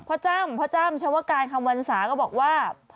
พ่อจำชาวการคำวันศาก็บอกว่า